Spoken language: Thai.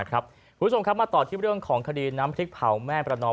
คุณผู้ชมครับมาต่อที่เรื่องของคดีน้ำพริกเผาแม่ประนอม